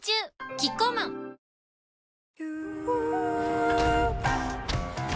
キッコーマンあれ？